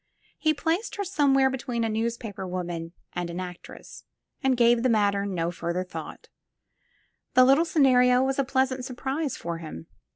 He placed her somewhere between a newspaper woman and an actress and gave the matter no further thought; the little scenario was a pleasant surprise for him.